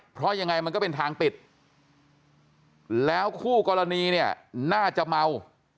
เพราะยังไงมันก็เป็นทางปิดแล้วคู่กรณีเนี่ยน่าจะเมา